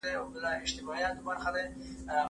احتياط ورسره پکار دی.